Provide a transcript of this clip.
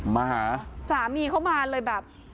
มาหาสามีเขามาเลยแบบ